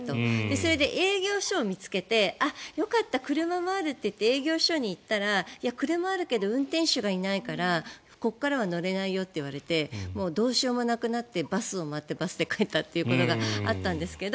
それで営業所を見つけてあ、よかった車もあるといって営業所に行ったらいや、車はあるけど運転手がいないからここからは乗れないよと言われてもうどうしようもなくなってバスを待ってバスで帰ったということがあったんですけど